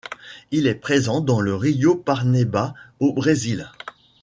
Il est présent dans le rio Parnaiba au Brésil.